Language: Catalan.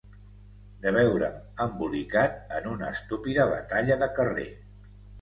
...de veure'm embolicat en una estúpida batalla de carrer